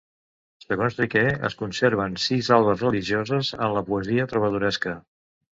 Segons Riquer, es conserven sis albes religioses en la poesia trobadoresca.